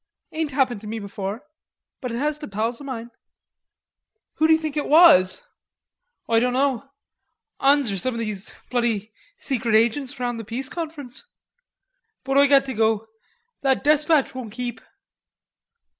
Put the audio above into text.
"Ain't happened to me before, but it has to pals o' moine." "Who d'you think it was? "Oi dunno; 'Unns or some of these bloody secret agents round the Peace Conference.... But Oi got to go; that despatch won't keep."